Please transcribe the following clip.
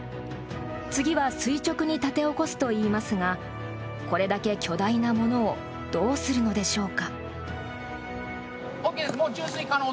次は垂直に立て起こすといいますがこれだけ巨大なものをどうするのでしょうか。